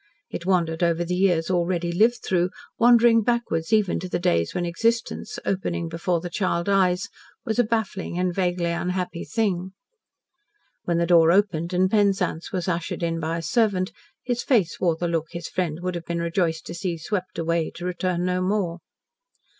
It wandered over the years already lived through, wandering backwards even to the days when existence, opening before the child eyes, was a baffling and vaguely unhappy thing. When the door opened and Penzance was ushered in by a servant, his face wore the look his friend would have been rejoiced to see swept away to return no more.